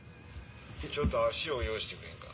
ちょっと足を用意してくれんか。